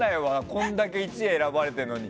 こんだけ１位に選ばれてるのに。